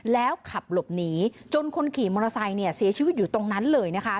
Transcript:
แล้วขับหลบหนีจนคนขี่มอเตอร์ไซค์เนี่ยเสียชีวิตอยู่ตรงนั้นเลยนะคะ